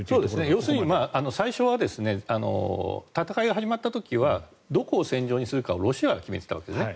要するに、最初は戦いが始まった時はどこを戦場にするかをロシアが決めていたわけですね。